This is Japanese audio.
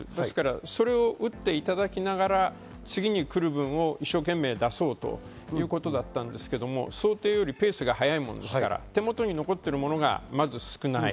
それを打っていただきながら、次にくる分も一生懸命だそうということだったんですけど、想定よりペースが早いものですから、手元に残ってるものがまず少ない。